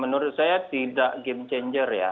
menurut saya tidak game changer ya